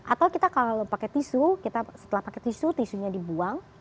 atau kita kalau pakai tisu kita setelah pakai tisu tisunya dibuang